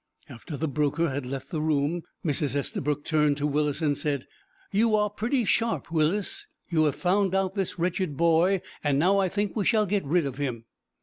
After the broker had left the room, Mrs. Estabrook turned to Willis and said: "You are pretty sharp, Willis. You have found out this wretched boy, and now I think we shall get rid of him."